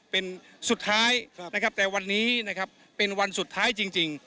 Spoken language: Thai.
เป็นสุดท้ายนะครับแต่วันนี้นะครับเป็นวันสุดท้ายจริง